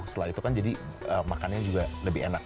setelah itu kan jadi makannya juga lebih enak